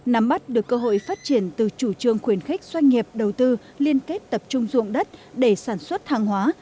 nắm bắt được cơ hội phát triển từ chủ trương khuyến khích doanh nghiệp đầu tư liên kết tập trung dụng đất để sản xuất hàng hóa